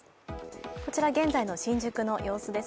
こちら現在の新宿の様子です。